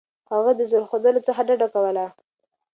هغه د زور ښودلو څخه ډډه کوله.